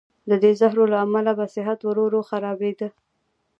د دې زهرو له امله به صحت ورو ورو خرابېده.